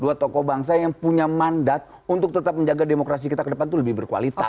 dua tokoh bangsa yang punya mandat untuk tetap menjaga demokrasi kita ke depan itu lebih berkualitas